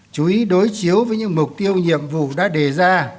chú ý đối chiếu với những mục tiêu nhiệm vụ đã đề ra